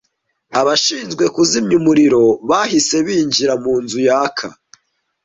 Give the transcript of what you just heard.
Abashinzwe kuzimya umuriro bahise binjira mu nzu yaka.